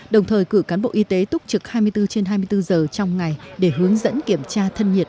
đồng thời cử cán bộ y tế túc trực hai mươi bốn trên hai mươi bốn giờ trong ngày để hướng dẫn kiểm tra thân nhiệt